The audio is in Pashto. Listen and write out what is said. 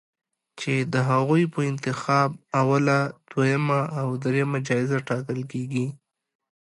چې د هغوی په انتخاب اوله، دویمه او دریمه جایزه ټاکل کېږي